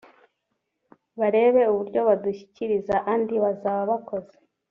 barebe uburyo badushyikiriza andi bazaba bakoze